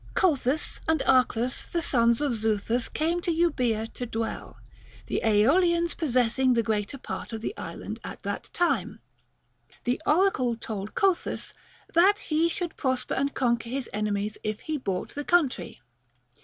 Cothus and Arclus the sons of Zuthus came to Euboea to dwell, the Aeolians possessing the greatest part of the island at that time. The oracle told Cothus, that he should prosper and conquer his enemies if he bought the country.